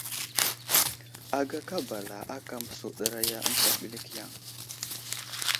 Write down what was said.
Agaka bala ákà məsuɗəraya ənta ɓəlik yaŋ.